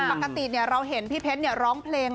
ปกติเนี่ยเราเห็นพี่เพชรเนี่ยร้องเพลง